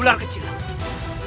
saya akan menunjukkan ayahmu